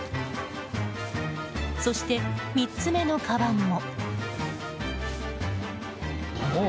そして、３つ目のかばんも。